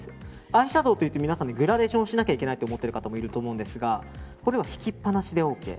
アイシャドーというと皆さんグラデーションしないといけないと思っている方もいると思いますがこれは引きっぱなしでＯＫ。